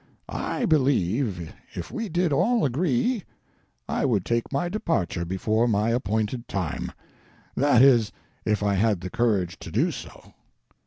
I believe if we did all agree I would take my departure before my appointed time, that is if I had the courage to do so.